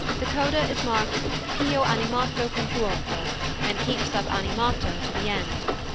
The coda is marked più animato confuoco, and keeps up animato to the end.